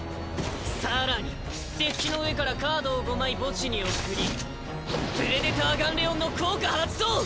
更にデッキの上からカードを５枚墓地に送りプレデター・ガンレオンの効果発動！